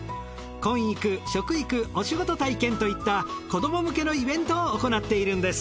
婚育食育お仕事体験といった子供向けのイベントを行っているんです。